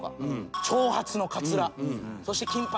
そして。